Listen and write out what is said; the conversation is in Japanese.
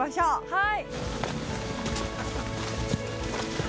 はい！